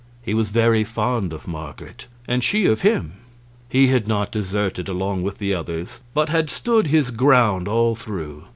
He was very fond of Marget, and she of him. He had not deserted along with the others, but had stood his ground all through.